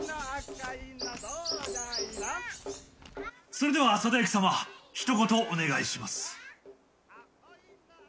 それでは定行様一言お願いします。